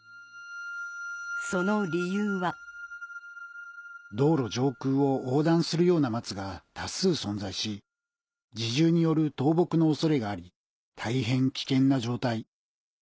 その理由は「道路上空を横断するような松が多数存在し自重による倒木の恐れがあり大変危険な状態」